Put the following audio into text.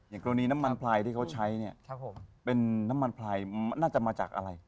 อย่างตรงนี้น้ำมันพรายที่เขาใช้เป็นน้ำมันพรายน่าจะมาจากอะไร